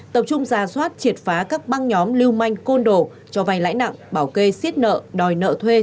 tập trung giả soát triệt phá các băng nhóm lưu manh côn đồ cho vài lãnh nặng bảo kê xiết nợ đòi nợ thuê